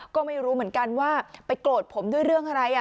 ก็ไม่รู้เหมือนกันว่าไปโกรธผมด้วยเรื่องอะไร